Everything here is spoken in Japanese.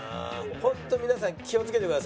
ホント皆さん気をつけてくださいね。